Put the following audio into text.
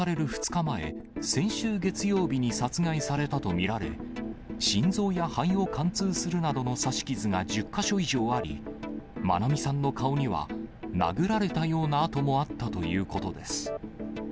２日前、先週月曜日に殺害されたと見られ、心臓や肺を貫通するなどの刺し傷が１０か所以上あり、愛美さんの顔には、殴られたような痕もあったということです。